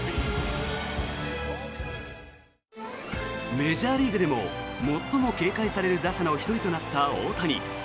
メジャーリーグでも最も警戒される打者の１人となった大谷。